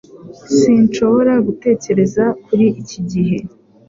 Sinshobora gutekereza kuri iki gihe